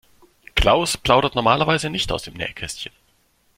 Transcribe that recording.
Klaus plaudert normalerweise nicht aus dem Nähkästchen.